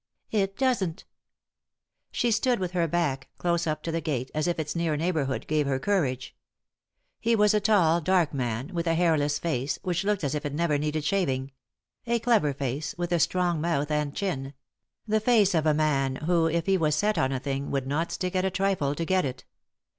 " It doesn't." She stood with her back close up to the gate, as if its near neighbourhood gave her courage. He was a tall, dark man, with a hairless face, which looked as if it never needed shaving ; a clever face, with a strong mouth and chin ; the face of a man who, if he was set on a thing, would not stick at a trifle to get it.